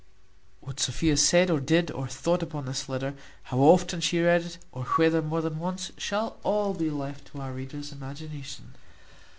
What Sophia said, or did, or thought, upon this letter, how often she read it, or whether more than once, shall all be left to our reader's imagination.